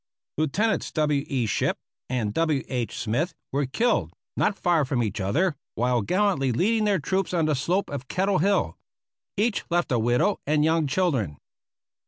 Lieutenants W. E. Shipp and W. H. Smith were killed, not far from each other, while gallantly leading their troops on the slope of Kettle Hill. Each left a widow and young children.